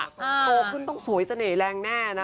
โตขึ้นต้องสวยเสน่ห์แรงแน่นะ